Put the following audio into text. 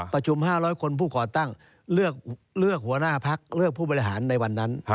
ประชุม๕๐๐คนผู้ก่อตั้งเลือกหัวหน้าพักเลือกผู้บริหารในวันนั้น